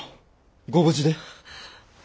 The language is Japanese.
ご無事で。